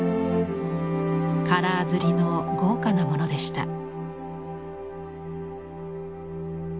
カラー刷りの豪華なものでした。